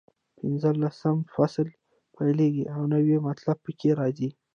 پینځلسم فصل پیلېږي او نوي مطالب پکې راځي.